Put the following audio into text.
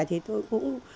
thì tôi cũng